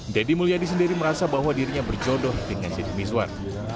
deddy mulyadi sendiri merasa bahwa dirinya berjodoh dengan deddy mizwar